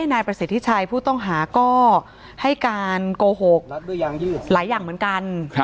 นายประสิทธิชัยผู้ต้องหาก็ให้การโกหกหลายอย่างเหมือนกัน